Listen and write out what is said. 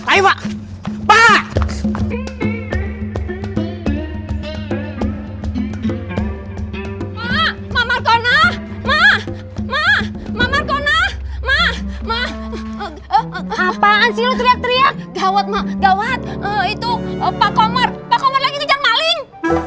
apaan sih teriak teriak gawat gawat itu pak komar komar lagi kejar maling